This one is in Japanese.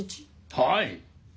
はい。